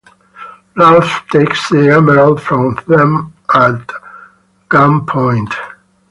Ralph takes the emerald from them at gunpoint.